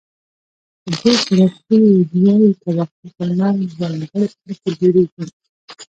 په دې صورت کې د دواړو طبقو ترمنځ ځانګړې اړیکې جوړیږي.